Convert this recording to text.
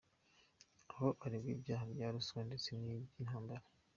Aho aregwa ibyaha bya ruswa, ndetse n’iby’intambara.